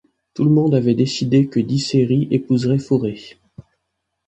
Tout le monde avait décidé que Dyssery épouserait Phorée.